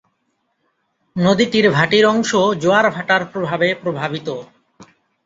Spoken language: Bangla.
নদীটির ভাটির অংশ জোয়ার ভাটার প্রভাবে প্রভাবিত।